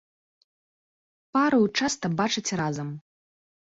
Пару часта бачаць разам.